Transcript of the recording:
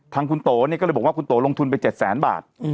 ทางคุณโตเนี่ยก็เลยบอกว่าคุณโตลงทุนไป๗แสนบาท